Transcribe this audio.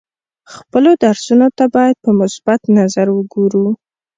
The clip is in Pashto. خپلو درسونو ته باید په مثبت نظر وګورو.